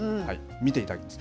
見ていただきます。